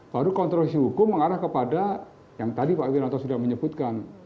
baru kontrol hukum mengarah kepada yang tadi pak iwin ranto sudah menyebutkan